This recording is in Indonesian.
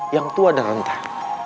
yang tua dan rentah